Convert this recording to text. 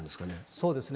そうですね。